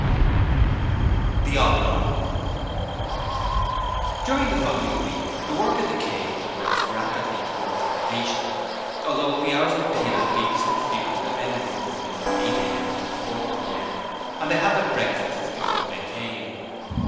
Chapter 25 The Oblong During the following week the work at 'The Cave' progressed rapidly towards completion, although, the hours of daylight being so few, the men worked only from 8 A.M. till 4 P.M. and they had their breakfasts before they came.